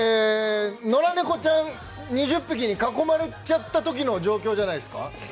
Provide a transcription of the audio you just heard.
野良猫ちゃん２０匹に囲まれちゃったときの状況じゃないですか？